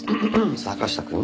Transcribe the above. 坂下くん。